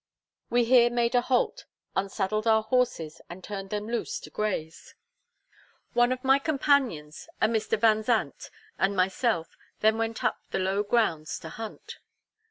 We here made a halt, unsaddled our horses, and turned them loose to graze. One of my companions, a Mr. Vanzant, and myself, then went up the low grounds to hunt.